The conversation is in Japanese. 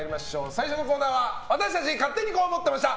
最初のコーナーは私たち勝手にこう思ってました！